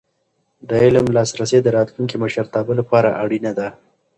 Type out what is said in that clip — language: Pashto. د علم لاسرسی د راتلونکي مشرتابه لپاره اړینه ده.